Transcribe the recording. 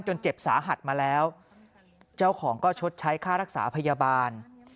เจ็บสาหัสมาแล้วเจ้าของก็ชดใช้ค่ารักษาพยาบาล